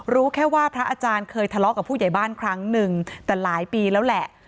รู้แค่ว่าพระอาจารย์เคยทะเลาะกับผู้ใหญ่บ้านครั้งหนึ่งแต่หลายปีแล้วแหละ